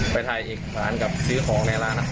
ไปถ่ายเอกสารกับซื้อของในร้าน